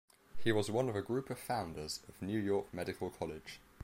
He was one of a group of founders of New York Medical College.